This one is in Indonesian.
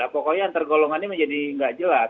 pokoknya antar golongan ini menjadi gak jelas